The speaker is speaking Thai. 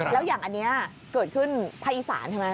แล้วอย่างอันนี้เกิดขึ้นภาคอีสานใช่ไหม